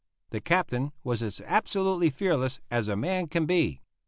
The Captain was as absolutely fearless as a man can be.